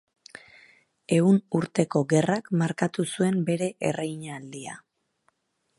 Ehun Urteko Gerrak markatu zuen bere erreinaldia.